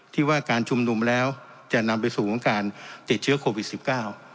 ที่ว่าการชุมนุมแล้วจะนำไปสู่ของการติดเชื้อโควิดสิบเก้า